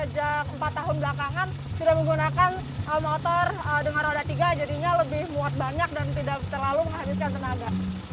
sejak empat tahun belakangan sudah menggunakan motor dengan roda tiga jadinya lebih muat banyak dan tidak terlalu menghabiskan tenaga